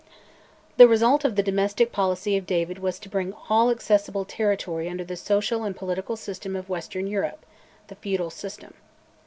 The result of the domestic policy of David was to bring all accessible territory under the social and political system of western Europe, "the Feudal System."